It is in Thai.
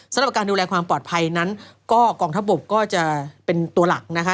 สำหรับการดูแลความปลอดภัยนั้นก็กองทัพบกก็จะเป็นตัวหลักนะคะ